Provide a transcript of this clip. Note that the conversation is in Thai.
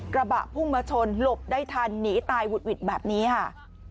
กระบะพุ่งมาชนหลบได้ทันหนีตายหุดหวิดแบบนี้ค่ะ